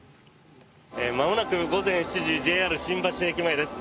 まもなく午前７時ＪＲ新橋駅前です。